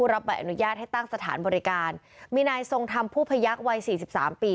รับบัตรอนุญาตให้ตั้งสถานบริการมีนายทรงทำผู้พยักษณ์วัย๔๓ปี